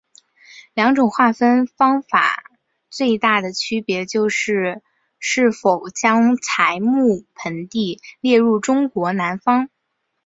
两种划分方法最大的区别就是是否将柴达木盆地列入中国南方。